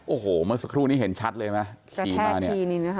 โอ้โหเมื่อสักครู่นี้เห็นชัดเลยไหมขี่มาเนี่ยนะคะ